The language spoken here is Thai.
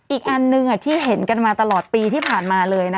อีกอันหนึ่งที่เห็นกันมาตลอดปีที่ผ่านมาเลย